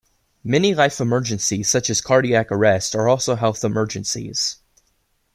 Many life emergencies, such as cardiac arrest, are also health emergencies.